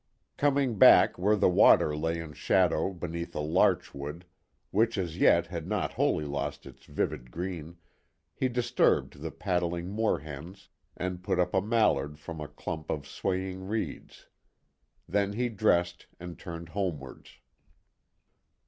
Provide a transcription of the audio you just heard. Coming back where the water lay in shadow beneath a larch wood, which as yet had not wholly lost its vivid green, he disturbed the paddling moor hens and put up a mallard from a clump of swaying reeds. Then he dressed and turned homewards.